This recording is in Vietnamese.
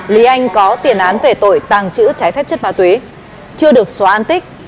lý anh có tiền án về tội tàng trữ trái phép chất ma túy chưa được xóa an tích